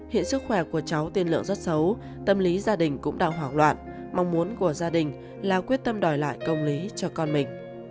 hiện sức khỏe của cháu tiên lượng rất xấu tâm lý gia đình cũng đang hoảng loạn mong muốn của gia đình là quyết tâm đòi lại công lý cho con mình